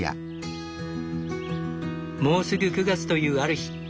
もうすぐ９月というある日。